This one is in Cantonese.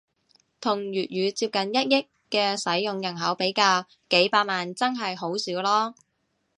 同粵語接近一億嘅使用人口比較，幾百萬真係好少囉